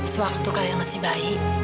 sewaktu kalian masih bayi